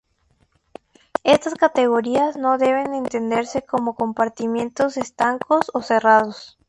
Estas categorías no deben entenderse como compartimentos estancos o cerrados.